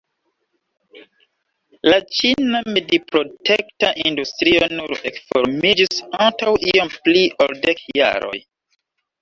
La ĉina mediprotekta industrio nur ekformiĝis antaŭ iom pli ol dek jaroj.